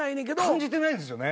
感じてないんすよね。